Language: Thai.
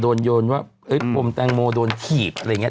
โยนว่าปมแตงโมโดนถีบอะไรอย่างนี้